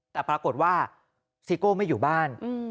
แต่ปรากฏว่าซิโก้ไม่อยู่บ้าน